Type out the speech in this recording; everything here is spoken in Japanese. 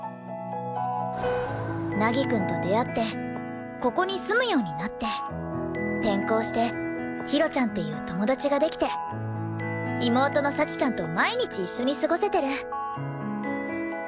凪くんと出会ってここに住むようになって転校してひろちゃんっていう友達ができて妹の幸ちゃんと毎日一緒に過ごせてる。